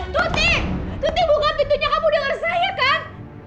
tuti tuti buka pintunya kamu denger saya kan